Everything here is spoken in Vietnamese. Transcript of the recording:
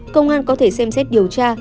công an có thể xem xét điều tra